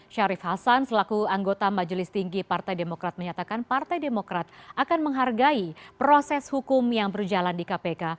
syarif hasan selaku anggota majelis tinggi partai demokrat menyatakan partai demokrat akan menghargai proses hukum yang berjalan di kpk